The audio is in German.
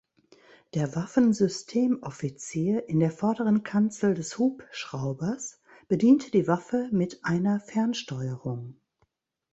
Der Waffensystemoffizier in der vorderen Kanzel des Hubschraubers bediente die Waffe mit einer Fernsteuerung.